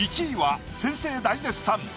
１位は先生大絶賛。